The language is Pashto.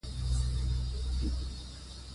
د تاریخ او کلتور په مطالعه کې رول لري.